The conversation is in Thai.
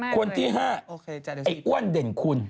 คนที่๕ไอ้อ้วนเด่นคุณ